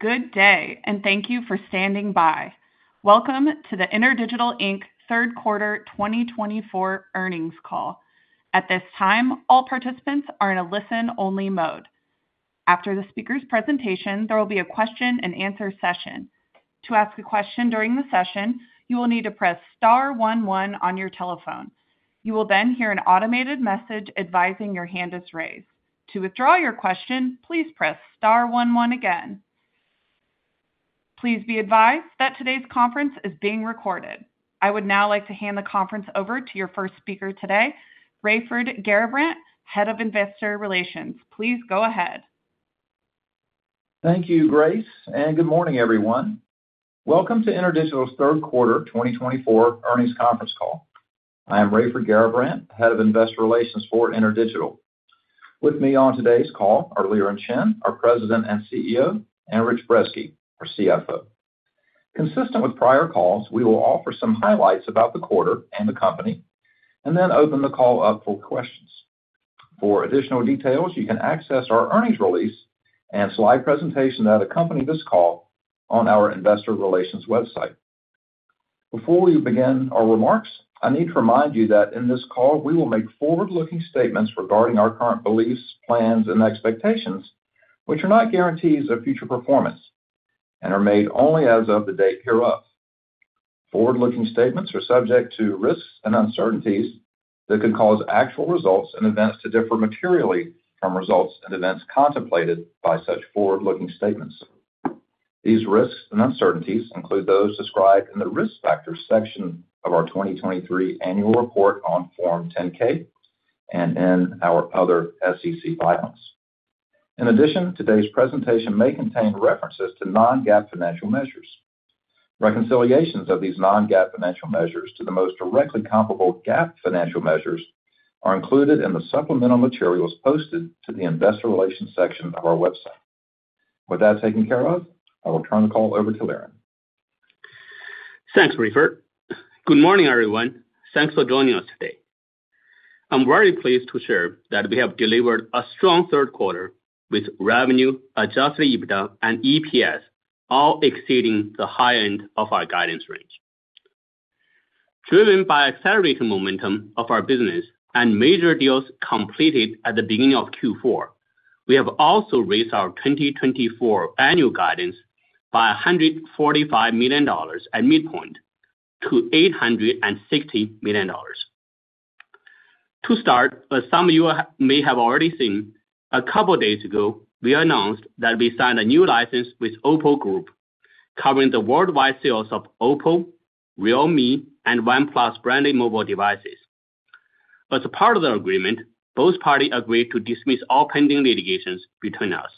Good day, and thank you for standing by. Welcome to the InterDigital Inc. Third Quarter 2024 earnings call. At this time, all participants are in a listen-only mode. After the speaker's presentation, there will be a question-and-answer session. To ask a question during the session, you will need to press star 11 on your telephone. You will then hear an automated message advising your hand is raised. To withdraw your question, please press star 11 again. Please be advised that today's conference is being recorded. I would now like to hand the conference over to your first speaker today, Raiford Garrabrant, Head of Investor Relations. Please go ahead. Thank you, Grace, and good morning, everyone. Welcome to InterDigital's Third Quarter 2024 earnings conference call. I am Raiford Garrabrant, Head of Investor Relations for InterDigital. With me on today's call are Liren Chen, our President and CEO, and Rich Brezski, our CFO. Consistent with prior calls, we will offer some highlights about the quarter and the company, and then open the call up for questions. For additional details, you can access our earnings release and slide presentation that accompany this call on our Investor Relations website. Before we begin our remarks, I need to remind you that in this call, we will make forward-looking statements regarding our current beliefs, plans, and expectations, which are not guarantees of future performance and are made only as of the date hereof. Forward-looking statements are subject to risks and uncertainties that could cause actual results and events to differ materially from results and events contemplated by such forward-looking statements. These risks and uncertainties include those described in the risk factors section of our 2023 annual report on Form 10-K and in our other SEC filings. In addition, today's presentation may contain references to non-GAAP financial measures. Reconciliations of these non-GAAP financial measures to the most directly comparable GAAP financial measures are included in the supplemental materials posted to the Investor Relations section of our website. With that taken care of, I will turn the call over to Liren. Thanks, Raiford. Good morning, everyone. Thanks for joining us today. I'm very pleased to share that we have delivered a strong third quarter with revenue, Adjusted EBITDA, and EPS all exceeding the high end of our guidance range. Driven by accelerating momentum of our business and major deals completed at the beginning of Q4, we have also raised our 2024 annual guidance by $145 million at midpoint to $860 million. To start, as some of you may have already seen, a couple of days ago, we announced that we signed a new license with OPPO Group covering the worldwide sales of OPPO, Realme, and OnePlus branded mobile devices. As a part of the agreement, both parties agreed to dismiss all pending litigations between us.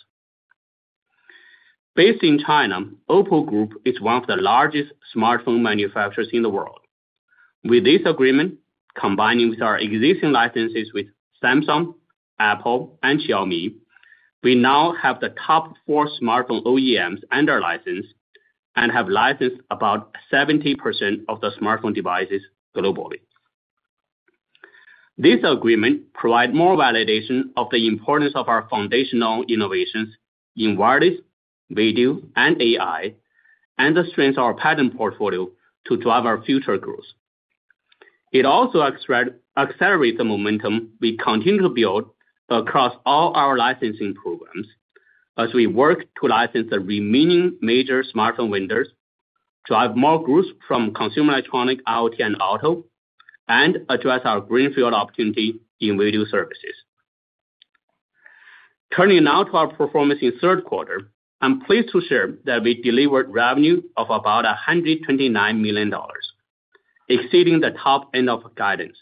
Based in China, OPPO Group is one of the largest smartphone manufacturers in the world. With this agreement, combining our existing licenses with Samsung, Apple, and Xiaomi, we now have the top four smartphone OEMs under license and have licensed about 70% of the smartphone devices globally. This agreement provides more validation of the importance of our foundational innovations in wireless, video, and AI, and strengthens our patent portfolio to drive our future growth. It also accelerates the momentum we continue to build across all our licensing programs as we work to license the remaining major smartphone vendors, drive more growth from consumer electronics, IoT, and auto, and address our greenfield OPPOrtunity in video services. Turning now to our performance in third quarter, I'm pleased to share that we delivered revenue of about $129 million, exceeding the top end of our guidance,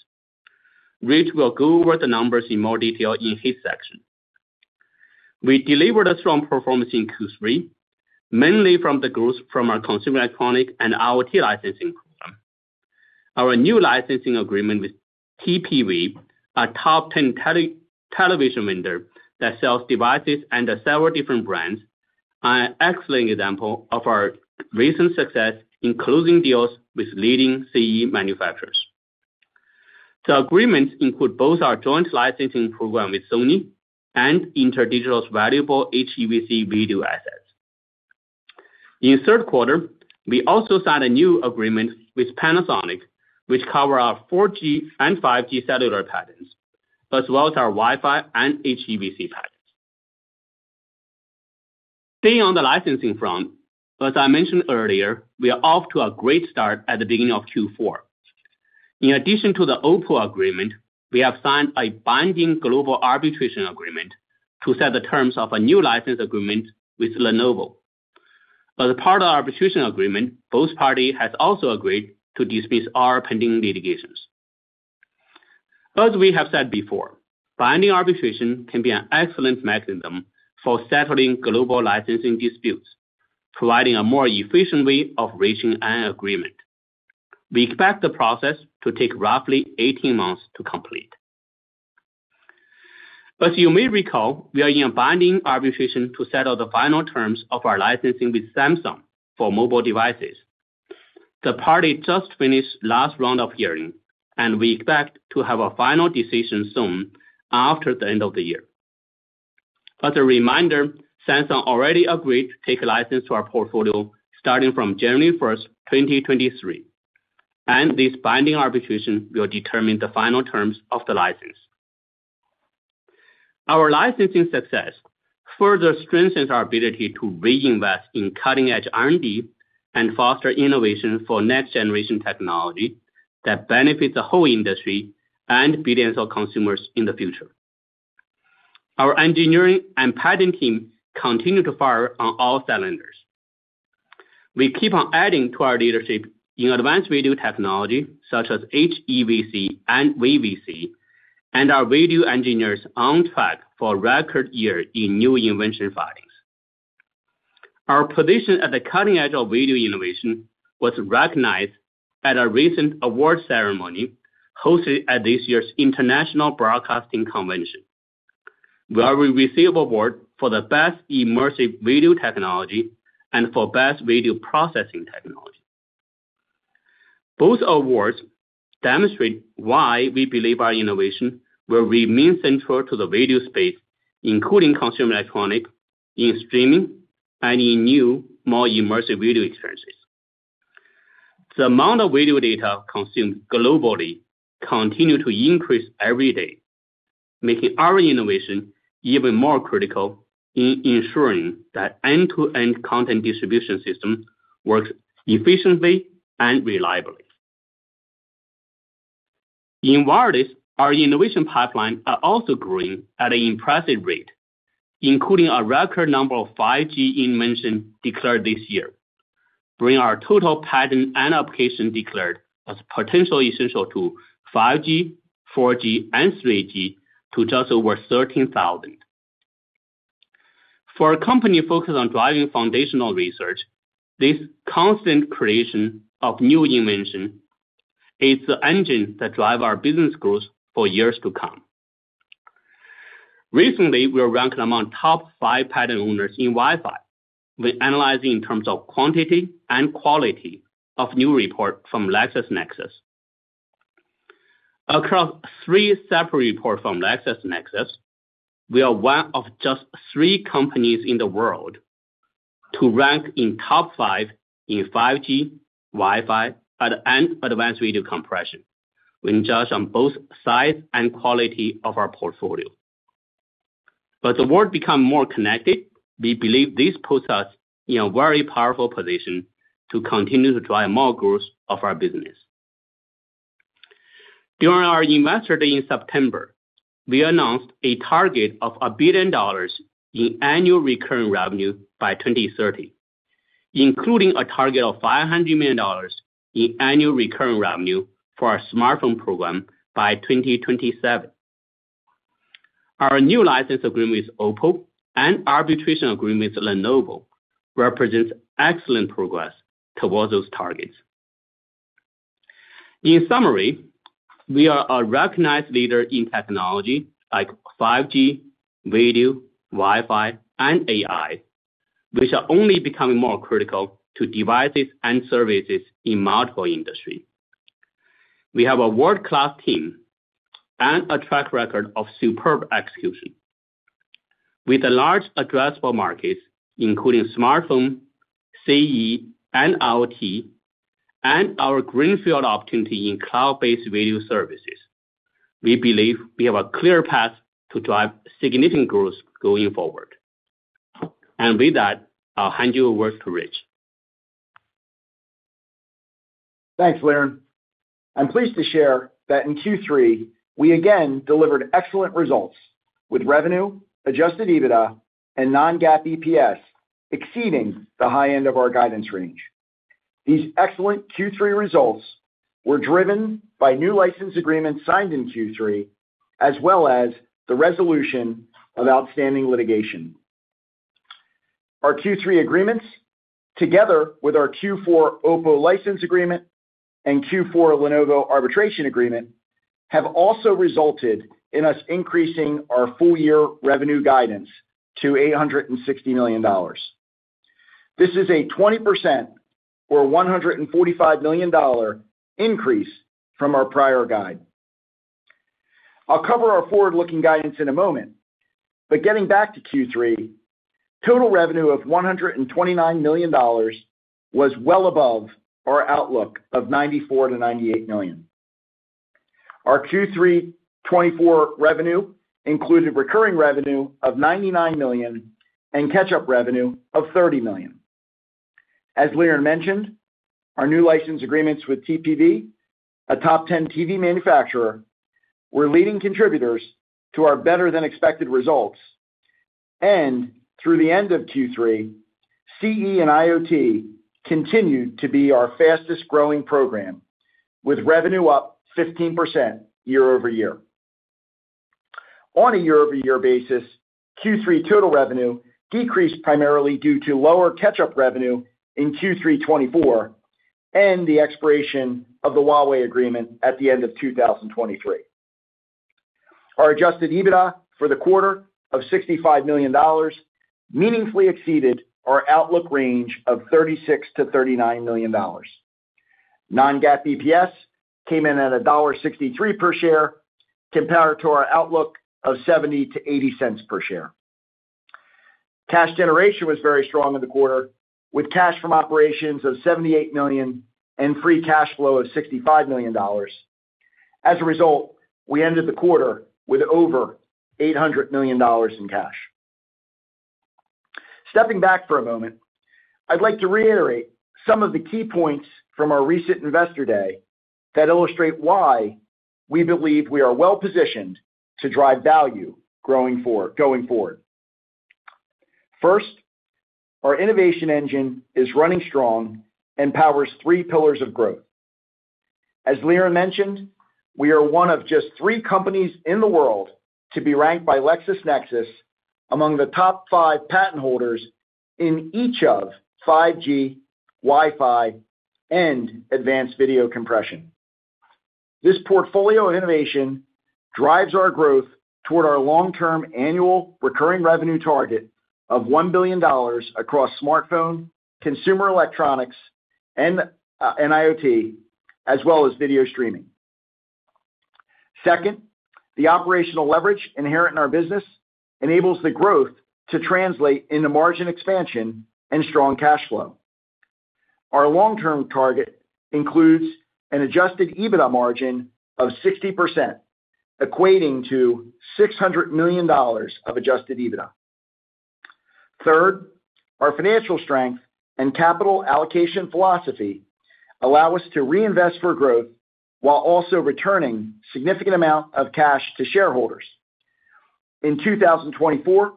which we'll go over the numbers in more detail in his section. We delivered a strong performance in Q3, mainly from the growth from our consumer electronics and IoT licensing program. Our new licensing agreement with TPV, a top-tier television vendor that sells devices under several different brands, is an excellent example of our recent success in closing deals with leading CE manufacturers. The agreements include both our joint licensing program with Sony and InterDigital's valuable HEVC video assets. In third quarter, we also signed a new agreement with Panasonic, which covers our 4G and 5G cellular patents, as well as our Wi-Fi and HEVC patents. Staying on the licensing front, as I mentioned earlier, we are off to a great start at the beginning of Q4. In addition to the OPPO agreement, we have signed a binding global arbitration agreement to set the terms of a new license agreement with Lenovo. As part of the arbitration agreement, both parties have also agreed to dismiss our pending litigations. As we have said before, binding arbitration can be an excellent mechanism for settling global licensing disputes, providing a more efficient way of reaching an agreement. We expect the process to take roughly 18 months to complete. As you may recall, we are in a binding arbitration to settle the final terms of our licensing with Samsung for mobile devices. The parties just finished the last round of hearing, and we expect to have a final decision soon after the end of the year. As a reminder, Samsung already agreed to take a license to our portfolio starting from January 1st, 2023, and this binding arbitration will determine the final terms of the license. Our licensing success further strengthens our ability to reinvest in cutting-edge R&D and foster innovation for next-generation technology that benefits the whole industry and billions of consumers in the future. Our engineering and patent team continue to fire on all cylinders. We keep on adding to our leadership in advanced video technology such as HEVC and VVC, and our video engineers are on track for a record year in new invention filings. Our position at the cutting edge of video innovation was recognized at a recent awards ceremony hosted at this year's International Broadcasting Convention. We received an award for the best immersive video technology and for best video processing technology. Both awards demonstrate why we believe our innovation will remain central to the video space, including consumer electronics, in streaming, and in new, more immersive video experiences. The amount of video data consumed globally continues to increase every day, making our innovation even more critical in ensuring that end-to-end content distribution systems work efficiently and reliably. In wireless, our innovation pipeline is also growing at an impressive rate, including a record number of 5G inventions declared this year, bringing our total patent and application declared as potentially essential to 5G, 4G, and 3G to just over 13,000. For a company focused on driving foundational research, this constant creation of new inventions is the engine that drives our business growth for years to come. Recently, we ranked among top five patent owners in Wi-Fi when analyzing in terms of quantity and quality of new reports from LexisNexis. Across three separate reports from LexisNexis, we are one of just three companies in the world to rank in top five in 5G, Wi-Fi, and advanced video compression when judged on both size and quality of our portfolio. As the world becomes more connected, we believe this puts us in a very powerful position to continue to drive more growth of our business. During our investor day in September, we announced a target of $1 billion in annual recurring revenue by 2030, including a target of $500 million in annual recurring revenue for our smartphone program by 2027. Our new license agreement with OPPO and arbitration agreement with Lenovo represents excellent progress towards those targets. In summary, we are a recognized leader in technology like 5G, video, Wi-Fi, and AI, which are only becoming more critical to devices and services in multiple industries. We have a world-class team and a track record of superb execution. With large addressable markets, including smartphone, CE, and IoT, and our greenfield OPPOrtunity in cloud-based video services, we believe we have a clear path to drive significant growth going forward, and with that, I'll hand you over to Rich. Thanks, Liren. I'm pleased to share that in Q3, we again delivered excellent results with revenue, Adjusted EBITDA, and non-GAAP EPS exceeding the high end of our guidance range. These excellent Q3 results were driven by new license agreements signed in Q3, as well as the resolution of outstanding litigation. Our Q3 agreements, together with our Q4 OPPO license agreement and Q4 Lenovo arbitration agreement, have also resulted in us increasing our full-year revenue guidance to $860 million. This is a 20% or $145 million increase from our prior guide. I'll cover our forward-looking guidance in a moment, but getting back to Q3, total revenue of $129 million was well above our outlook of $94 million-$98 million. Our Q3 '24 revenue included recurring revenue of $99 million and catch-up revenue of $30 million. As Liren mentioned, our new license agreements with TPV, a top-tier TV manufacturer, were leading contributors to our better-than-expected results. And through the end of Q3, CE and IoT continued to be our fastest-growing program, with revenue up 15% year over year. On a year-over-year basis, Q3 total revenue decreased primarily due to lower catch-up revenue in Q3 2024 and the expiration of the Huawei agreement at the end of 2023. Our adjusted EBITDA for the quarter of $65 million meaningfully exceeded our outlook range of $36 million-$39 million. Non-GAAP EPS came in at $1.63 per share, compared to our outlook of $0.70-$0.80 per share. Cash generation was very strong in the quarter, with cash from operations of $78 million and free cash flow of $65 million. As a result, we ended the quarter with over $800 million in cash. Stepping back for a moment, I'd like to reiterate some of the key points from our recent investor day that illustrate why we believe we are well-positioned to drive value going forward. First, our innovation engine is running strong and powers three pillars of growth. As Liren mentioned, we are one of just three companies in the world to be ranked by LexisNexis among the top five patent holders in each of 5G, Wi-Fi, and advanced video compression. This portfolio of innovation drives our growth toward our long-term annual recurring revenue target of $1 billion across smartphone, consumer electronics, and IoT, as well as video streaming. Second, the operational leverage inherent in our business enables the growth to translate into margin expansion and strong cash flow. Our long-term target includes an adjusted EBITDA margin of 60%, equating to $600 million of adjusted EBITDA. Third, our financial strength and capital allocation philosophy allow us to reinvest for growth while also returning a significant amount of cash to shareholders. In 2024,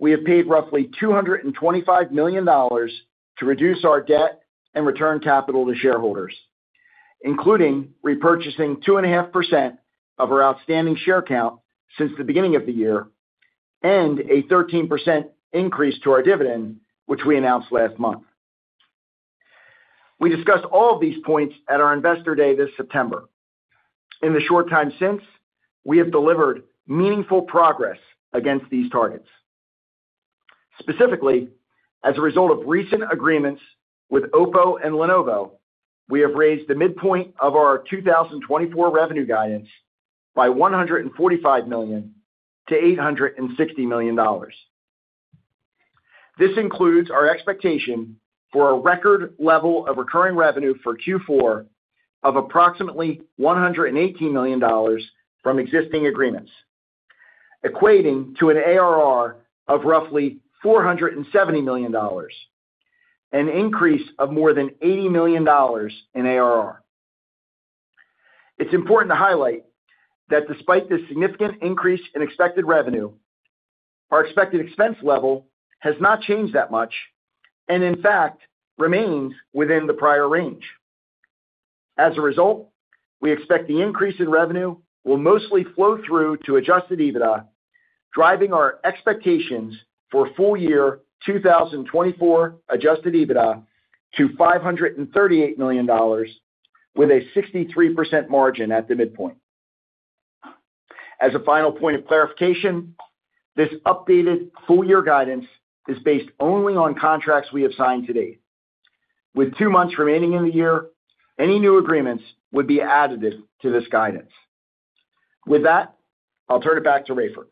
we have paid roughly $225 million to reduce our debt and return capital to shareholders, including repurchasing 2.5% of our outstanding share count since the beginning of the year and a 13% increase to our dividend, which we announced last month. We discussed all of these points at our investor day this September. In the short time since, we have delivered meaningful progress against these targets. Specifically, as a result of recent agreements with OPPO and Lenovo, we have raised the midpoint of our 2024 revenue guidance by $145 million to $860 million. This includes our expectation for a record level of recurring revenue for Q4 of approximately $118 million from existing agreements, equating to an ARR of roughly $470 million, an increase of more than $80 million in ARR. It's important to highlight that despite this significant increase in expected revenue, our expected expense level has not changed that much and, in fact, remains within the prior range. As a result, we expect the increase in revenue will mostly flow through to Adjusted EBITDA, driving our expectations for full-year 2024 Adjusted EBITDA to $538 million, with a 63% margin at the midpoint. As a final point of clarification, this updated full-year guidance is based only on contracts we have signed to date. With two months remaining in the year, any new agreements would be added to this guidance. With that, I'll turn it back to Raiford.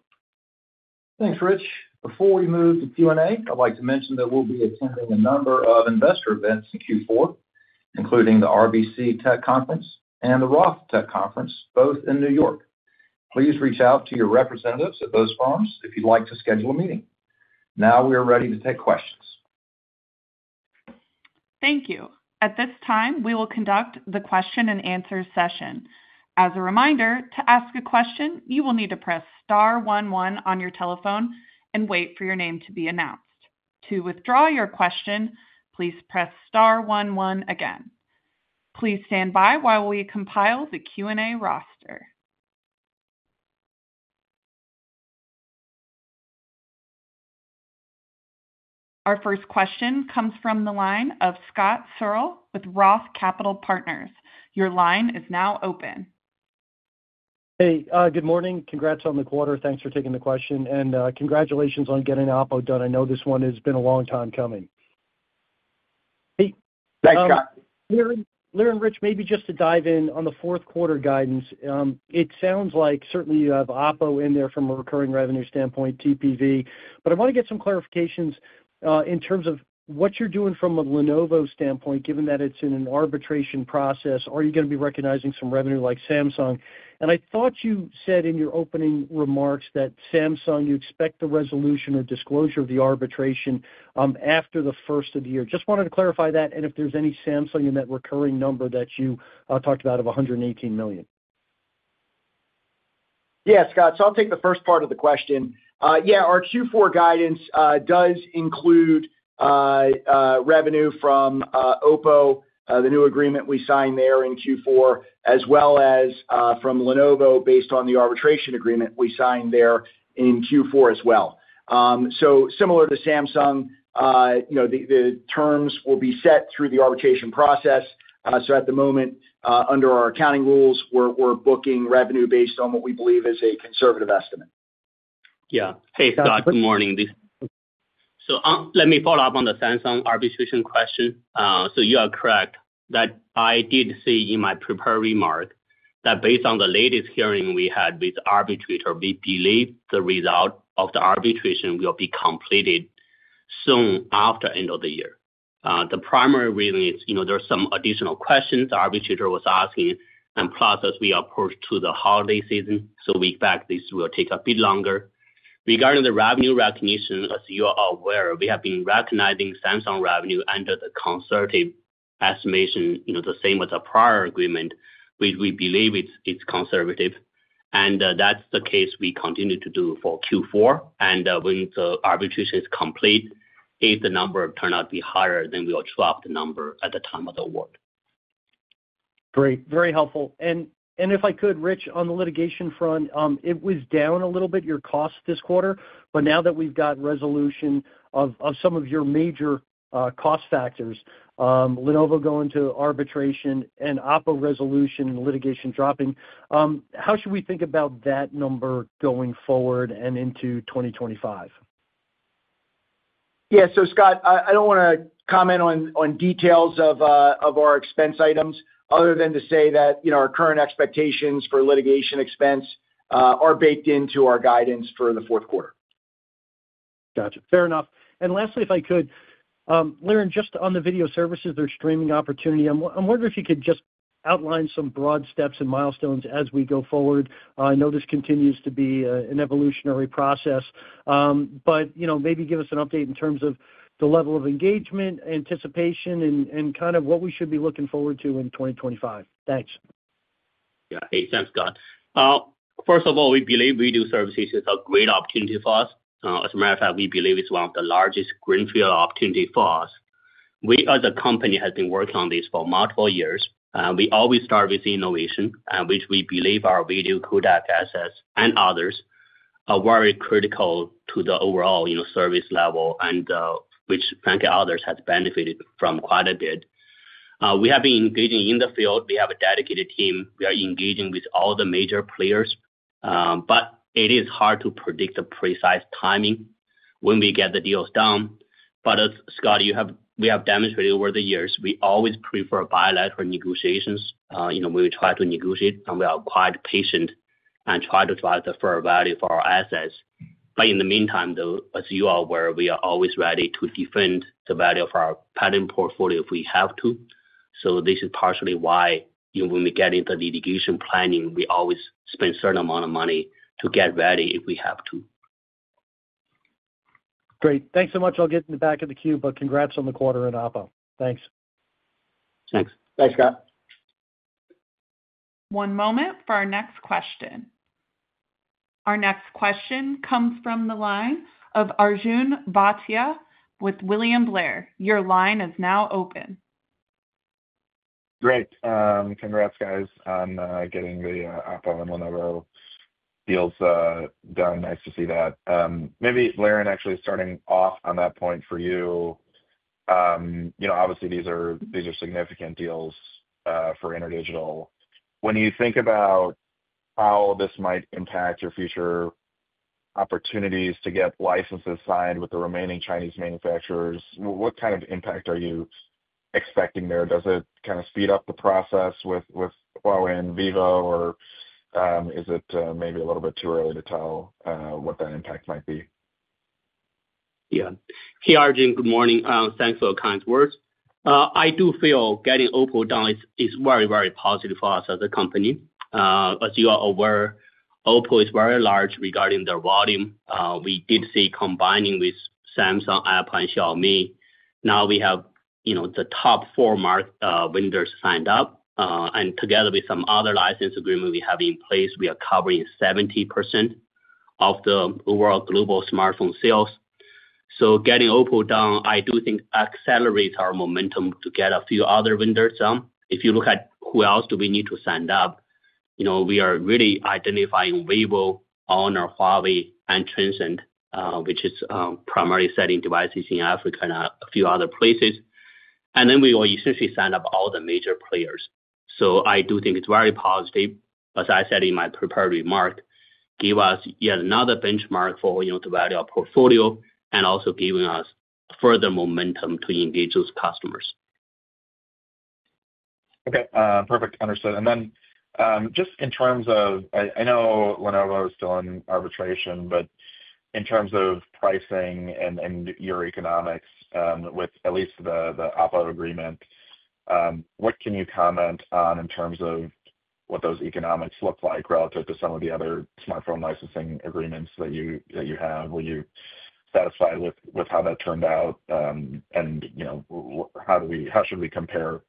Thanks, Rich. Before we move to Q&A, I'd like to mention that we'll be attending a number of investor events in Q4, including the RBC Tech Conference and the Roth Tech Conference, both in New York. Please reach out to your representatives at those firms if you'd like to schedule a meeting. Now we are ready to take questions. Thank you. At this time, we will conduct the question-and-answer session. As a reminder, to ask a question, you will need to press star 11 on your telephone and wait for your name to be announced. To withdraw your question, please press star 11 again. Please stand by while we compile the Q&A roster. Our first question comes from the line of Scott Searle with Roth Capital Partners. Your line is now open. Hey, good morning. Congrats on the quarter. Thanks for taking the question, and congratulations on getting the OPPO done. I know this one has been a long time coming. Hey. Thanks, Scott. Liren, Rich, maybe just to dive in on the fourth quarter guidance. It sounds like certainly you have OPPO in there from a recurring revenue standpoint, TPV, but I want to get some clarifications in terms of what you're doing from a Lenovo standpoint, given that it's in an arbitration process. Are you going to be recognizing some revenue like Samsung? And I thought you said in your opening remarks that Samsung, you expect the resolution or disclosure of the arbitration after the first of the year. Just wanted to clarify that and if there's any Samsung in that recurring number that you talked about of $118 million. Yeah, Scott, so I'll take the first part of the question. Yeah, our Q4 guidance does include revenue from OPPO, the new agreement we signed there in Q4, as well as from Lenovo based on the arbitration agreement we signed there in Q4 as well. So similar to Samsung, the terms will be set through the arbitration process. So at the moment, under our accounting rules, we're booking revenue based on what we believe is a conservative estimate. Yeah. Hey, Scott, good morning. So let me follow up on the Samsung arbitration question. So you are correct that I did see in my prepared remark that based on the latest hearing we had with the arbitrator, we believe the result of the arbitration will be completed soon after the end of the year. The primary reason is there are some additional questions the arbitrator was asking, and plus as we approach the holiday season, so we expect this will take a bit longer. Regarding the revenue recognition, as you are aware, we have been recognizing Samsung revenue under the conservative estimation, the same as the prior agreement, which we believe is conservative. And that's the case we continue to do for Q4. And when the arbitration is complete, if the number turned out to be higher, then we will drop the number at the time of the award. Great. Very helpful. And if I could, Rich, on the litigation front, it was down a little bit, your cost this quarter, but now that we've got resolution of some of your major cost factors, Lenovo going to arbitration and OPPO resolution and litigation dropping, how should we think about that number going forward and into 2025? Yeah. So Scott, I don't want to comment on details of our expense items other than to say that our current expectations for litigation expense are baked into our guidance for the fourth quarter. Gotcha. Fair enough. And lastly, if I could, Liren, just on the video services, their streaming OPPOrtunity, I'm wondering if you could just outline some broad steps and milestones as we go forward. I know this continues to be an evolutionary process, but maybe give us an update in terms of the level of engagement, anticipation, and kind of what we should be looking forward to in 2025. Thanks. Yeah, makes sense, Scott. First of all, we believe video services is a great OPPOrtunity for us. As a matter of fact, we believe it's one of the largest greenfield OPPOrtunities for us. We, as a company, have been working on this for multiple years. We always start with innovation, which we believe our video codec assets and others are very critical to the overall service level, and which, frankly, others have benefited from quite a bit. We have been engaging in the field. We have a dedicated team. We are engaging with all the major players, but it is hard to predict the precise timing when we get the deals done. But Scott, we have demonstrated over the years we always prefer bilateral negotiations when we try to negotiate, and we are quite patient and try to drive the fair value for our assets. But in the meantime, though, as you are aware, we are always ready to defend the value of our patent portfolio if we have to. So this is partially why when we get into litigation planning, we always spend a certain amount of money to get ready if we have to. Great. Thanks so much. I'll get in the back of the queue, but congrats on the quarter and OPPO. Thanks. Thanks. Thanks, Scott. One moment for our next question. Our next question comes from the line of Arjun Bhatia with William Blair. Your line is now open. Great. Congrats, guys. I'm getting the OPPO and Lenovo deals done. Nice to see that. Maybe Liren actually starting off on that point for you. Obviously, these are significant deals for InterDigital. When you think about how this might impact your future OPPOrtunities to get licenses signed with the remaining Chinese manufacturers, what kind of impact are you expecting there? Does it kind of speed up the process with Huawei and Vivo, or is it maybe a little bit too early to tell what that impact might be? Yeah. Hey, Arjun, good morning. Thanks for the kind words. I do feel getting OPPO done is very, very positive for us as a company. As you are aware, OPPO is very large regarding their volume. We did see, combining with Samsung, Apple, and Xiaomi. Now we have the top four vendors signed up, and together with some other license agreements we have in place, we are covering 70% of the world global smartphone sales. So getting OPPO done, I do think accelerates our momentum to get a few other vendors done. If you look at who else do we need to sign up, we are really identifying Vivo, Honor, Huawei, and Transsion, which is primarily selling devices in Africa and a few other places. And then we will essentially sign up all the major players. So I do think it's very positive. As I said in my prepared remark, give us yet another benchmark for the value of portfolio and also giving us further momentum to engage those customers. Okay. Perfect. Understood. And then just in terms of I know Lenovo is still in arbitration, but in terms of pricing and your economics with at least the OPPO agreement, what can you comment on in terms of what those economics look like relative to some of the other smartphone licensing agreements that you have? Were you satisfied with how that turned out? And how should we compare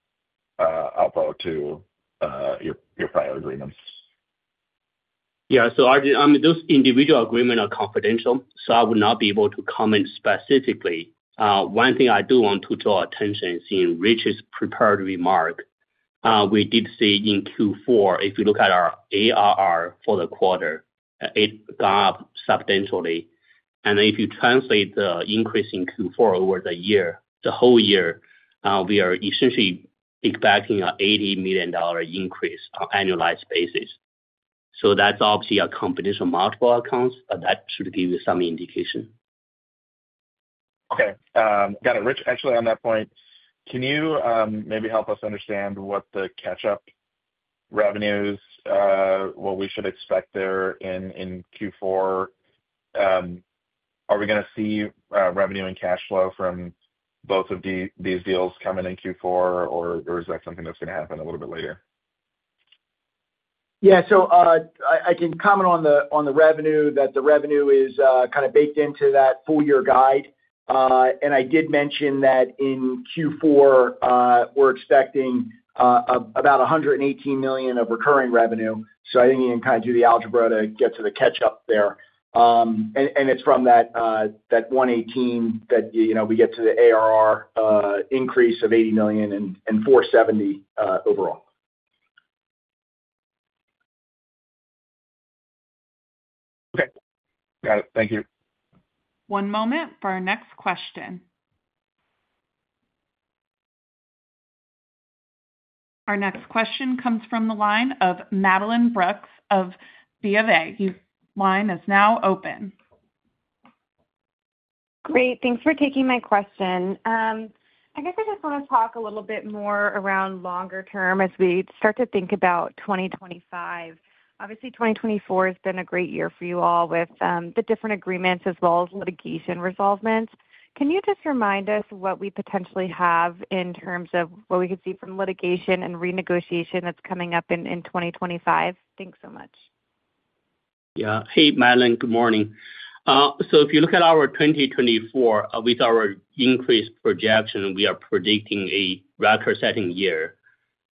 OPPO to your prior agreements? Yeah. So those individual agreements are confidential, so I will not be able to comment specifically. One thing I do want to draw attention is in Rich's prepared remark. We did see in Q4, if you look at our ARR for the quarter, it got up substantially. And if you translate the increase in Q4 over the year, the whole year, we are essentially expecting an $80 million increase on an annualized basis. So that's obviously a combination of multiple accounts, but that should give you some indication. Okay. Got it. Rich, actually, on that point, can you maybe help us understand what the catch-up revenues, what we should expect there in Q4? Are we going to see revenue and cash flow from both of these deals coming in Q4, or is that something that's going to happen a little bit later? Yeah. So I can comment on the revenue, that the revenue is kind of baked into that full-year guide. And I did mention that in Q4, we're expecting about $118 million of recurring revenue. So I think you can kind of do the algebra to get to the catch-up there. And it's from that $118 million that we get to the ARR increase of $80 million and $470 million overall. Okay. Got it. Thank you. One moment for our next question. Our next question comes from the line of Madeline Brooks of BofA. Line is now open. Great. Thanks for taking my question. I guess I just want to talk a little bit more around longer term as we start to think about 2025. Obviously, 2024 has been a great year for you all with the different agreements as well as litigation resolutions. Can you just remind us what we potentially have in terms of what we could see from litigation and renegotiation that's coming up in 2025? Thanks so much. Yeah. Hey, Madeline. Good morning. So if you look at our 2024, with our increased projection, we are predicting a record-setting year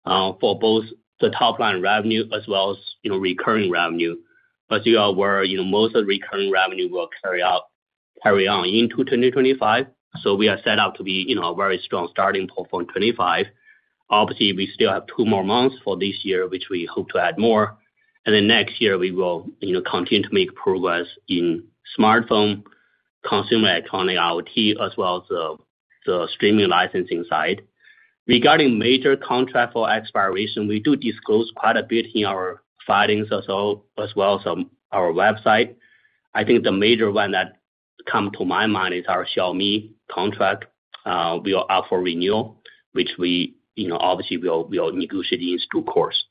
for both the top-line revenue as well as recurring revenue. As you are aware, most of the recurring revenue will carry on into 2025. So we are set up to be a very strong starting point for 2025. Obviously, we still have two more months for this year, which we hope to add more. And then next year, we will continue to make progress in smartphone, consumer electronics IoT, as well as the streaming licensing side. Regarding major contracts for expiration, we do disclose quite a bit in our filings as well as on our website. I think the major one that comes to my mind is our Xiaomi contract. We will offer renewal, which we obviously will negotiate in due course.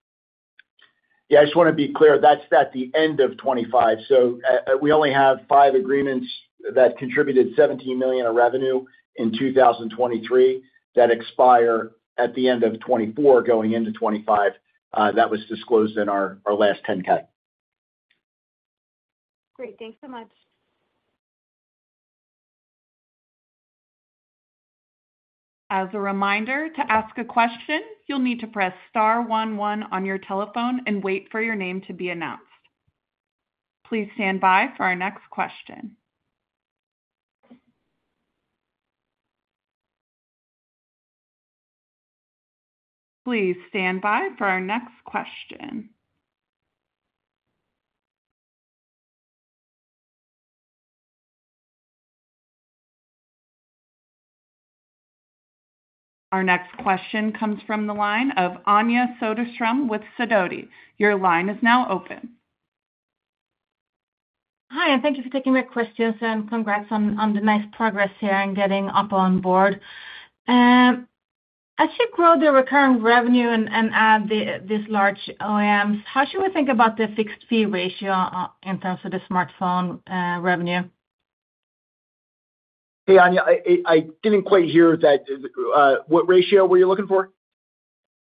Yeah. I just want to be clear. That's at the end of 2025. So we only have five agreements that contributed $17 million of revenue in 2023 that expire at the end of 2024 going into 2025 that was disclosed in our last 10K. Great. Thanks so much. As a reminder, to ask a question, you'll need to press star 11 on your telephone and wait for your name to be announced. Please stand by for our next question. Our next question comes from the line of Anja Soderstrom with Sidoti. Your line is now open. Hi. And thank you for taking my question. And congrats on the nice progress here and getting OPPO on board. As you grow the recurring revenue and add these large OEMs, how should we think about the fixed fee ratio in terms of the smartphone revenue? Hey, Anja, I didn't quite hear that. What ratio were you looking for?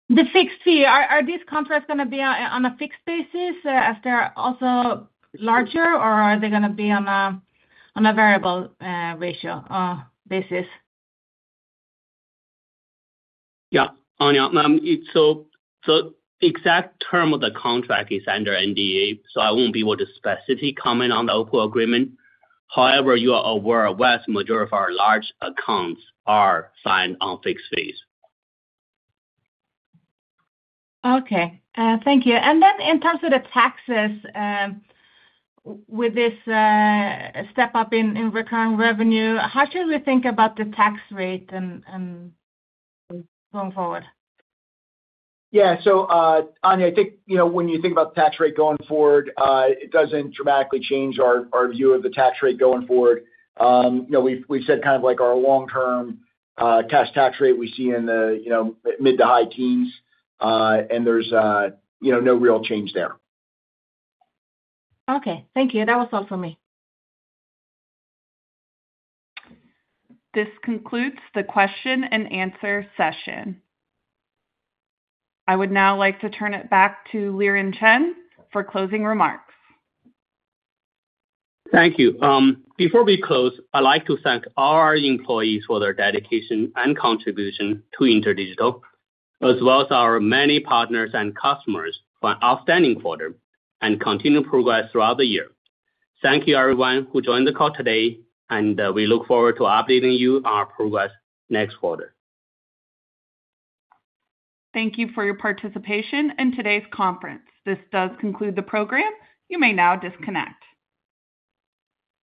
The fixed fee. Are these contracts going to be on a fixed basis if they're also larger, or are they going to be on a variable ratio basis? Yeah. Anja, so the exact term of the contract is under NDA, so I won't be able to specifically comment on the OPPO agreement. However, you are aware a vast majority of our large accounts are signed on fixed fees. Okay. Thank you. And then in terms of the taxes, with this step up in recurring revenue, how should we think about the tax rate going forward? Yeah. So Anja, I think when you think about the tax rate going forward, it doesn't dramatically change our view of the tax rate going forward. We've said kind of our long-term cash tax rate we see in the mid- to high-teens, and there's no real change there. Okay. Thank you. That was all for me. This concludes the question and answer session. I would now like to turn it back to Liren Chen for closing remarks. Thank you. Before we close, I'd like to thank all our employees for their dedication and contribution to InterDigital, as well as our many partners and customers for an outstanding quarter and continued progress throughout the year. Thank you, everyone, who joined the call today, and we look forward to updating you on our progress next quarter. Thank you for your participation in today's conference. This does conclude the program. You may now disconnect.